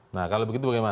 nah kalau begitu bagaimana